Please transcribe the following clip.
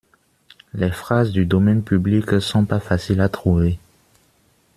Les phrases du domaine publique sont pas faciles à trouver.